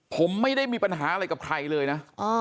ผมไม่ได้มีปัญหาอะไรกับใครเลยนะ